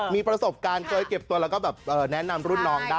มีประสบการณ์เคยเก็บตัวแล้วก็แบบแนะนำรุ่นน้องได้